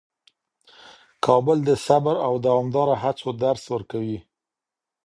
کابل د صبر او دوامداره هڅو درس ورکوي.